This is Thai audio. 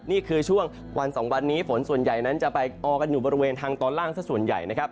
นี่คือช่วงวันสองวันนี้ฝนส่วนใหญ่นั้นจะไปออกันอยู่บริเวณทางตอนล่างสักส่วนใหญ่นะครับ